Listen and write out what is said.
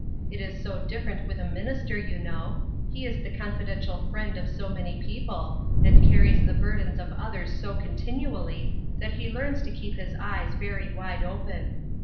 It is so different with a minister, you know ; he is the confidential friend of so many people, and carries the burdens of others so continually, that he learns to keep his eyes very wide open.